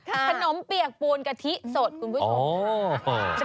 ขนมเปียกปูนกะทิสดคุณผู้ชมค่ะ